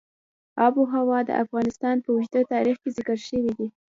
آب وهوا د افغانستان په اوږده تاریخ کې ذکر شوې ده.